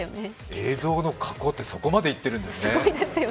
映像の加工って、そこまでいっているんですね。